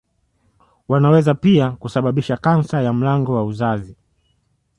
Wanaweza pia kusababisha kansa ya mlango wa uzazi